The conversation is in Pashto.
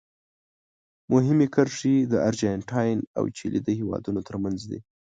مهمې کرښې د ارجنټاین او چیلي د هېوادونو ترمنځ دي.